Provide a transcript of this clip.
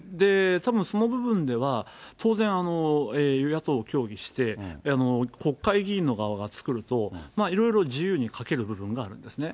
たぶんその部分では、当然、与野党協議して、国会議員の側がつくると、いろいろ自由に書ける部分があるんですね。